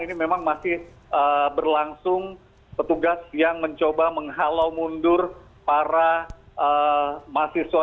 ini memang masih berlangsung petugas yang mencoba menghalau mundur para mahasiswa